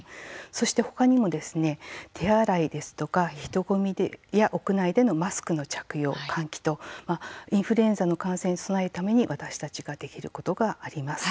そして、他にも手洗いですとか人ごみや屋内でのマスク着用、換気とインフルエンザの感染に備えるために私たちができることがあります。